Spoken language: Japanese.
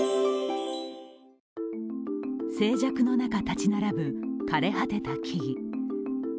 静寂の中、立ち並ぶ枯れ果てた木々。